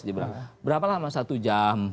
dia bilang berapa lama satu jam